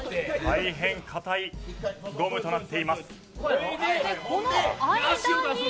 大変硬いゴムとなっています。